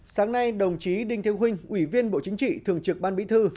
sáng nay đồng chí đinh thiếu huynh ủy viên bộ chính trị thường trực ban mỹ thư